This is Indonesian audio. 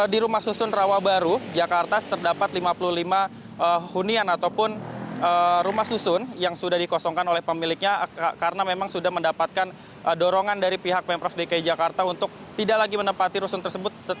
di rumah susun rawabaru jakarta terdapat lima puluh lima hunian ataupun rumah susun yang sudah dikosongkan oleh pemiliknya karena memang sudah mendapatkan dorongan dari pihak pemprov dki jakarta untuk tidak lagi menempati rusun tersebut